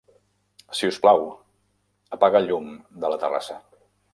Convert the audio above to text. Si us plau, apaga el llum de la terrassa.